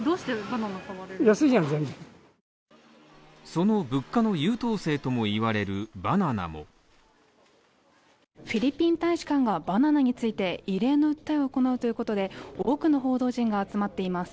その物価の優等生とも言われるバナナもフィリピン大使館がバナナについて異例の訴えを行うということで、多くの報道陣が集まっています。